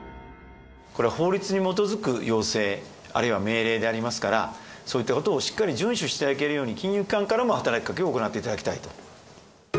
これは法律に基づく要請、あるいは命令でありますから、そういったことをしっかり順守していただけるように、金融機関からも働きかけを行っていただきたいと。